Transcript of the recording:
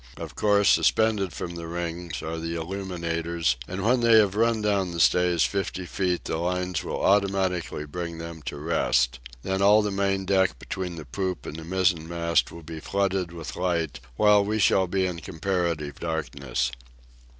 Of course, suspended from the rings, are the illuminators, and when they have run down the stays fifty feet the lines will automatically bring them to rest. Then all the main deck between the poop and the mizzen mast will be flooded with light, while we shall be in comparative darkness.